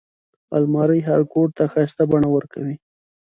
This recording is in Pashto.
الماري هر کوټ ته ښايسته بڼه ورکوي